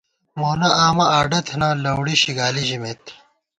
مونہ آمہ اڈہ تھنہ ، لَؤڑی شِگالی ژِمېت